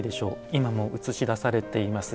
今も映し出されています